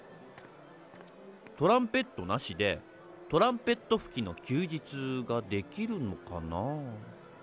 トランペットなしで「トランペット吹きの休日」ができるのかな。